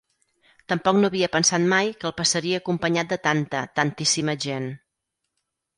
Tampoc no havia pensat mai que el passaria acompanyat de tanta, tantíssima gent.